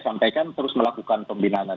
sampaikan terus melakukan pembinaan